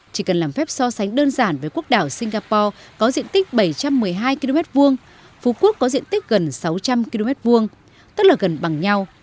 chỉ cần làm phép so sánh đơn giản với quốc đảo singapore có diện tích bảy trăm một mươi hai km hai phú quốc có diện tích gần sáu trăm linh km hai tức là gần bằng nhau